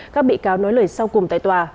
các bị cáo nói lời sau cùng tại tòa